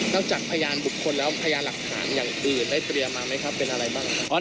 จากพยานบุคคลแล้วพยานหลักฐานอย่างอื่นได้เตรียมมาไหมครับเป็นอะไรบ้างครับ